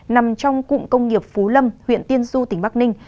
nằm trong cụm công nghiệp phú lâm huyện tiên du tỉnh bắc ninh